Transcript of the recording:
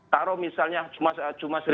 taruh misalnya cuma